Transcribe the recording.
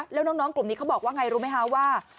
แล้วน้องกลุ่มนี้เขาบอกว่าไงรู้ไหมคะว่า